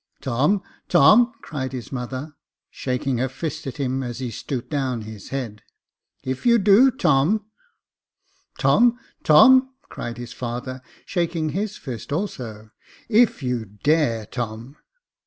" Tom, Tom !" cried his mother, Jacob Faithful 77 shaking her fist at him, as he stooped down his head ;" if you do, Tom !"" Tom, Tom !" cried his father, shaking his fist also ;" if you dare, Tom